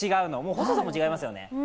細さも違いますよね。